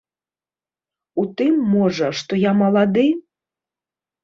У тым, можа, што я малады?